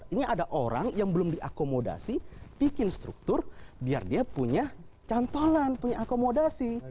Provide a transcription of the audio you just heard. ini ada orang yang belum diakomodasi bikin struktur biar dia punya cantolan punya akomodasi